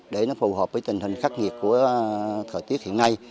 để nó phù hợp với tình hình khắc nghiệt của thời tiết hiện nay